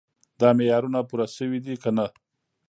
دا معیارونه پوره شوي دي که نه.